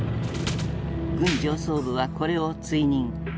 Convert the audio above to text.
軍上層部はこれを追認。